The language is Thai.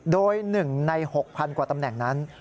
โดย๑ใน๖๐๐๐กว่าตำแหน่งนั้น